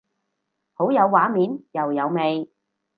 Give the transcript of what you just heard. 好有畫面又有味